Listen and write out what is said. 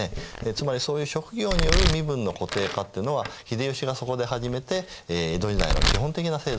つまりそういう職業による身分の固定化っていうのは秀吉がそこで始めて江戸時代の基本的な制度になるわけなんですね。